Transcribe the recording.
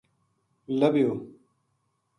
لبھیو